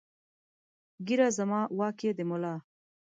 ږېره زما واک ېې د ملا